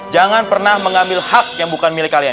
jangan pernah mengambil hak yang bukan milik kalian